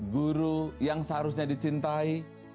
guru yang seharusnya dicintai